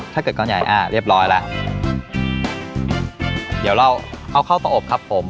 ก้อนใหญ่อ่าเรียบร้อยแล้วเดี๋ยวเราเอาเข้าประอบครับผม